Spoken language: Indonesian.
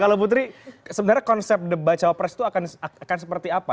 kalau putri sebenarnya konsep debat cawapres itu akan seperti apa